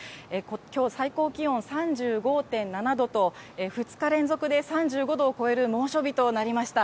きょう最高気温３５．７度と、２日連続で３５度を超える猛暑日となりました。